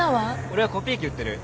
俺はコピー機売ってる。